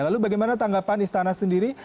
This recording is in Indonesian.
lalu bagaimana tanggapan istana sendiri